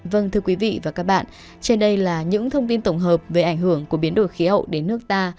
vâng thưa quý vị và các bạn trên đây là những thông tin tổng hợp về ảnh hưởng của biến đổi khí hậu đến nước ta